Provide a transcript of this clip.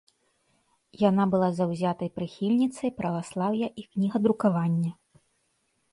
Яна была заўзятай прыхільніцай праваслаўя і кнігадрукавання.